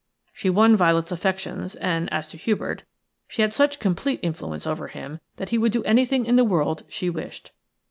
She won Violet's affections, and as to Hubert, she had such complete influence over him that he would do anything in the world she wished.